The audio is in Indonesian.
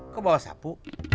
ke bawah sapu